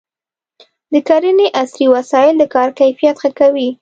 د کرنې عصري وسایل د کار کیفیت ښه کوي.